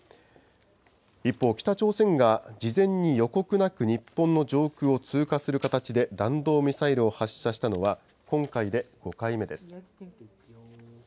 一方、北朝鮮が事前に予告なく日本の上空を通過する形で弾道ミサイルを発射したのは、今回で５回目です。